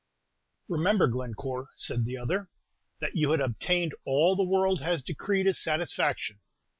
"Remember, Glencore," said the other, "that you had obtained all the world has decreed as satisfaction.